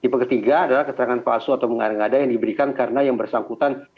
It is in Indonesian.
tipe ketiga adalah keterangan palsu atau mengada ngada yang diberikan karena yang bersangkutan